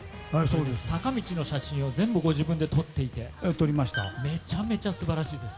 坂道の写真を全部ご自分で撮っていてめちゃめちゃ素晴らしいです！